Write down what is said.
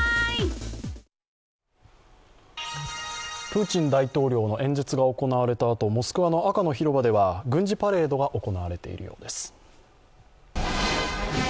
プーチン大統領の演説が行われたあと、モスクワの赤の広場では軍事パレードが行われているようです。